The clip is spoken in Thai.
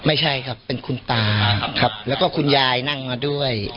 ไม่ใช่ครับเป็นคุณตาครับแล้วก็คุณยายนั่งมาด้วย